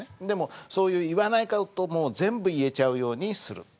でもそういう言わない事も全部言えちゃうようにする。